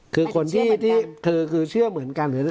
คือคนที่เธอคือเชื่อเหมือนกัน